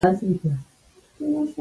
سړی چوپ شو.